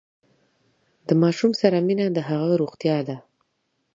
د ماشوم سره مینه د هغه روغتیا ده۔